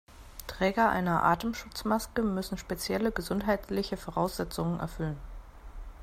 Träger einer Atemschutzmaske müssen spezielle gesundheitliche Voraussetzungen erfüllen.